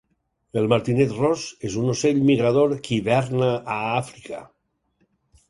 El martinet ros és un ocell migrador que hiverna a Àfrica.